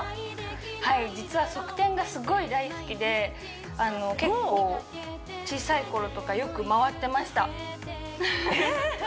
はい実は側転がすごい大好きで結構小さい頃とかよく回ってましたえ！